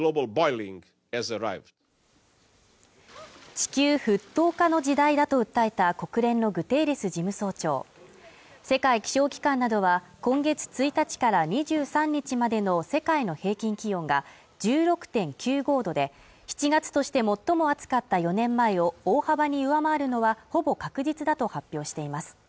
地球沸騰化の時代だと訴えた国連のグテーレス事務総長世界気象機関などは今月１日から２３日までの世界の平均気温が１６．９５度で７月として最も暑かった４年前を大幅に上回るのはほぼ確実だと発表しています